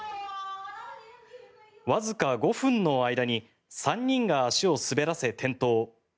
わずか５分の間に３人が足を滑らせ転倒。